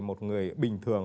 một người bình thường